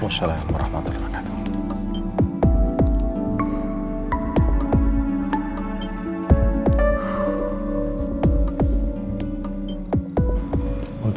waalaikumsalam warahmatullahi wabarakatuh